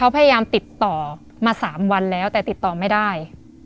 เขาพยายามติดต่อมา๓วันแล้วแต่ติดต่อไม่ได้